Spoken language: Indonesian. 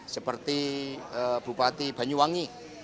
seperti bupati banyuwangi